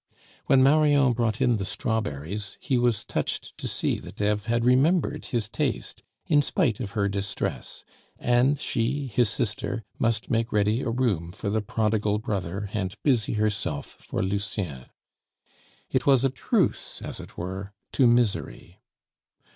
When Marion brought in the strawberries, he was touched to see that Eve had remembered his taste in spite of her distress, and she, his sister, must make ready a room for the prodigal brother and busy herself for Lucien. It was a truce, as it were, to misery.